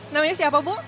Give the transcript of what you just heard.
namanya siapa bu